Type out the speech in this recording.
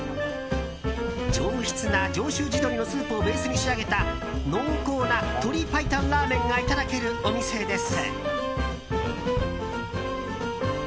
上質な上州地鶏のスープをベースに仕上げた濃厚な鶏白湯ラーメンがいただけるお店です。